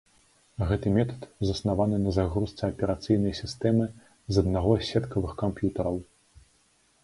Гэты метад заснаваны на загрузцы аперацыйнай сістэмы з аднаго з сеткавых камп'ютараў.